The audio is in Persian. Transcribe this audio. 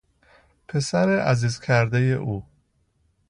پسر عزیز کردهی او